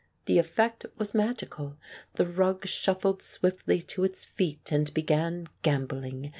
The effect was magical. The rug shuffled swiftly to its feet, and began gambolling.